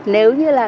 nếu như là